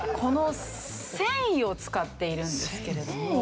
繊維を使っているんですけれども。